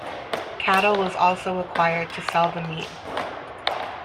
Cattle was also acquired to sell the meat.